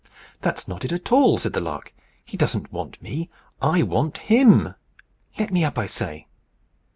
"That's not it at all," said the lark. "He doesn't want me. I want him. Let me up, I say."